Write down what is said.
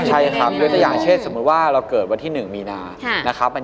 ใช่ครับยกตัวอย่างเช่นสมมุติว่าเราเกิดวันที่๑มีนานะครับ